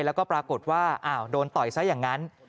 แล้วก็ปรากฏว่าโดนต่อยซะอย่างนั้น